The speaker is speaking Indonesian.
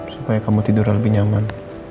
supaya kamu tidurnya lebih nyaman